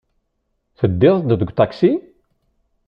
Teddiḍ-d deg uṭaksi?